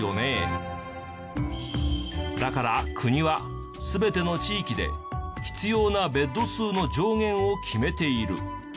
だから国は全ての地域で必要なベッド数の上限を決めている。